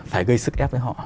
phải gây sức ép với họ